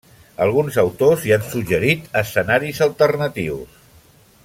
Alguns autors hi han suggerit escenaris alternatius.